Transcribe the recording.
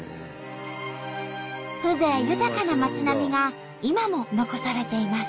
風情豊かな町並みが今も残されています。